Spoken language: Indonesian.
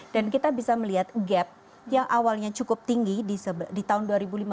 dan kita bisa melihat gap yang awalnya cukup tinggi di tahun dua ribu lima belas